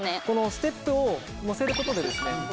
このステップに乗せることでですね